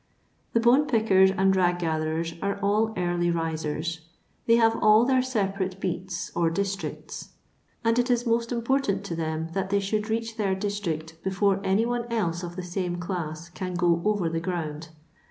The bone pickers and rag gatherers are all early risers. They have all their separate beats or dis tricts, and it is most important to them that they should reach their district before any one else of the same class can go over the ground.